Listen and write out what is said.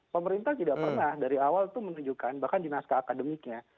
pemerintah tidak pernah dari awal itu menunjukkan bahkan di naskah akademiknya